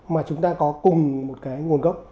mà chúng ta có cùng một cái nguồn gốc